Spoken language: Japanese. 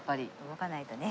動かないとね。